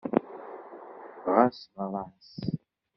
Ɣas ɣer-as.